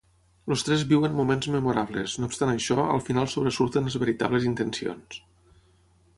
Els tres viuen moments memorables, no obstant això, al final sobresurten les veritables intencions.